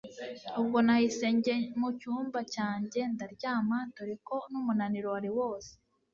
ubwo nahise njye mucyumba cyanjye ndaryama dore ko numunaniro wari wose